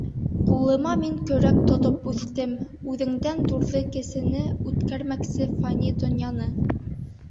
Ҡулыма мин көрәк тотоп үҫтем, Үҙеңдән ҙурҙың кесене Үткәрмәксе фани донъяны.